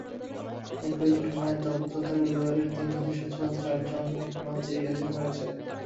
একই ঘটনায় দগ্ধ তার পরিবারের তিন সদস্যসহ চারজন এখনো চিকিৎসাধীন রয়েছে।